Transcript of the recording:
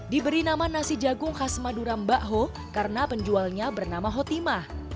diberi nama nasi jagung khas madura mbak ho karena penjualnya bernama hotimah